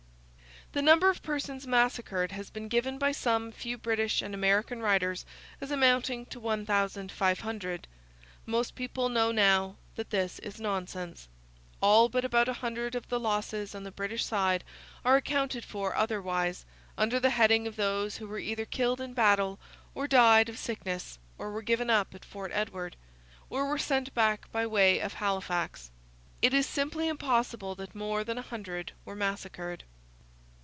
The number of persons massacred has been given by some few British and American writers as amounting to 1,500. Most people know now that this is nonsense. All but about a hundred of the losses on the British side are accounted for otherwise, under the heading of those who were either killed in battle, or died of sickness, or were given up at Fort Edward, or were sent back by way of Halifax. It is simply impossible that more than a hundred were massacred.